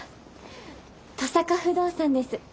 登坂不動産です。